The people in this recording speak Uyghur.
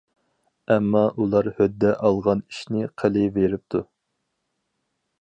ئەمما ئۇلار ھۆددە ئالغان ئىشنى قىلىۋېرىپتۇ.